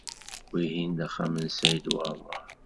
Wihin d axxam n Saɛid Waɛmaṛ.